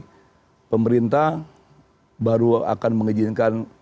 jadi pemerintah baru akan mengizinkan